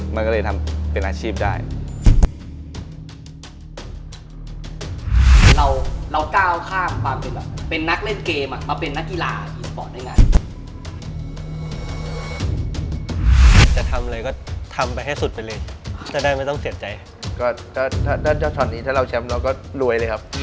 มาถึงจุดนี้แล้วมันคงคลุมไปให้สุดใช่มั้ย